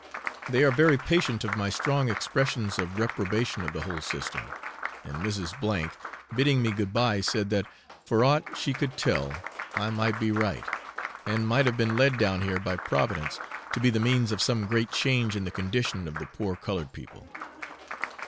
They were very patient of my strong expressions of reprobation of the whole system, and Mrs. A , bidding me good bye, said that, for aught she could tell, I might be right, and might have been led down here by Providence to be the means of some great change in the condition of the poor coloured people.